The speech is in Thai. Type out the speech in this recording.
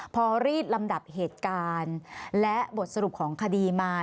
พอรีดลำดับเหตุการณ์และบทสรุปของคดีมา